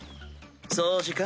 掃除か？